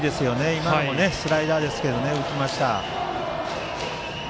今のもスライダーでしたけども浮きました。